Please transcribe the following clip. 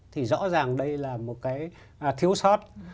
thì rõ ràng đây là một cái thiếu sót